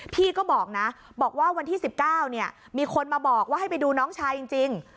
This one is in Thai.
พี่ก็บอกนะบอกว่าวันที่๑๙มีคนมาบอกว่าให้ไปดูน้องชายจริง